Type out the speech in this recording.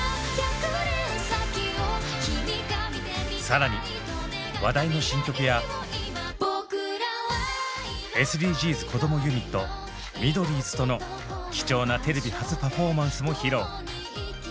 更に話題の新曲やＳＤＧｓこどもユニット「ミドリーズ」との貴重なテレビ初パフォーマンスも披露。